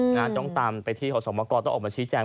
ต้องตามไปที่ขอสมกรต้องออกมาชี้แจง